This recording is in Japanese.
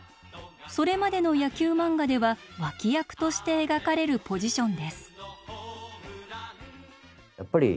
それまでの野球漫画では脇役として描かれるポジションです。